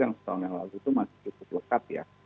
yang setahun yang lalu itu masih cukup lekat ya